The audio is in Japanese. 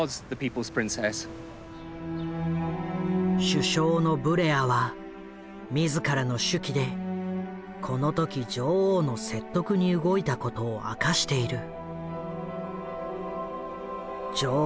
首相のブレアは自らの手記でこの時女王の説得に動いたことを明かしている。